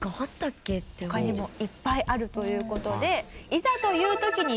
他にもいっぱいあるという事で。